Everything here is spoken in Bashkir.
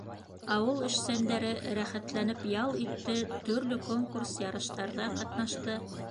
Ауыл эшсәндәре рәхәтләнеп ял итте, төрлө конкурс-ярыштарҙа ҡатнашты.